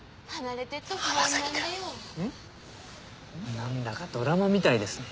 なんだかドラマみたいですね。